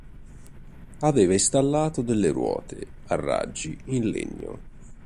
Aveva installato delle ruote a raggi in legno.